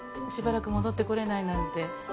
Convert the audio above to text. しばらく戻ってこれないなんて。